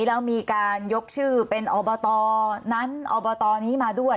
แล้วมีการยกชื่อเป็นอบตนั้นอบตนี้มาด้วย